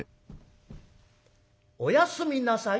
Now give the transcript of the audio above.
「おやすみなさい」。